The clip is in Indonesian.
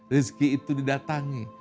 rizki itu didatangi